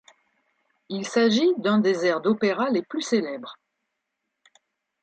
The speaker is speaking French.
Il s'agit d'un des airs d'opéra les plus célèbres.